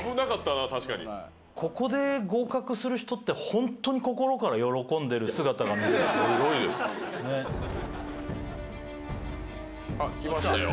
ギリギリここで合格する人ってホントに心から喜んでる姿が見れるすごいですねっあっ来ましたよ